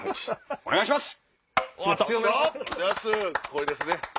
これですね！